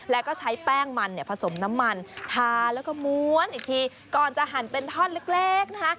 แล้วก็ใช้แป้งมันเนี่ยผสมน้ำมันทาแล้วก็ม้วนอีกทีก่อนจะหั่นเป็นท่อนเล็กนะคะ